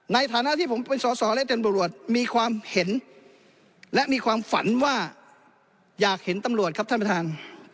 ในฐานะที่ผมเป็นสอสอและเต็มบรวจมีความเห็นและมีความฝันว่าอยากเห็นตำรวจครับท่านประธาน